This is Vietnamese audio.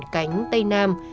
cánh tây nam